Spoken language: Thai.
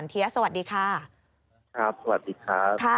ครับสวัสดีครับ